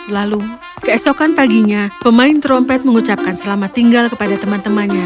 lalu keesokan paginya pemain trompet mengucapkan selamat tinggal kepada teman temannya